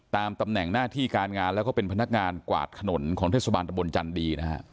ตำแหน่งหน้าที่การงานแล้วก็เป็นพนักงานกวาดถนนของเทศบาลตะบนจันดีนะฮะ